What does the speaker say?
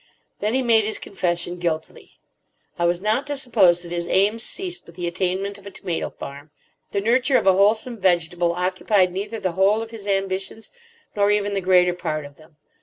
Then he made his confession guiltily. I was not to suppose that his aims ceased with the attainment of a tomato farm. The nurture of a wholesome vegetable occupied neither the whole of his ambitions nor even the greater part of them.